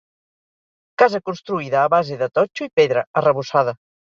Casa construïda a base de totxo i pedra, arrebossada.